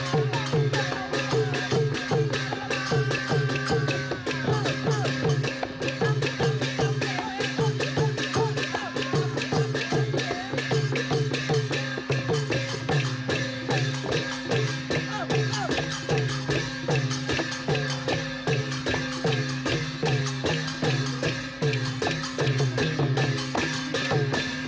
สวัสดีครับ